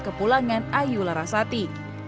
ke pulangan ayu larasati